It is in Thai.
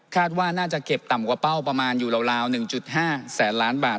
ว่าน่าจะเก็บต่ำกว่าเป้าประมาณอยู่ราว๑๕แสนล้านบาท